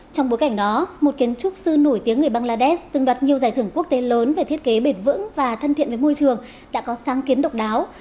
trong bối cảnh đó một kiến trúc sư nổi tiếng người bangladesh từng đoạt nhiều giải thưởng quốc tế lớn về thiết kế bền vững và thân thiện với môi trường đã có sáng kiến độc đáo